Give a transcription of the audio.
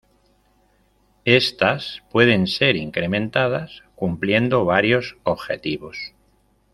Estas pueden ser incrementadas cumpliendo varios objetivos.